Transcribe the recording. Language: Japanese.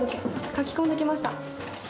書き込んできました。